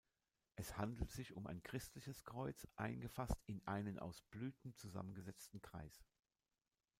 Es handelt sich um ein christliches Kreuz, eingefasst in einen aus Blüten zusammengesetzten Kreis.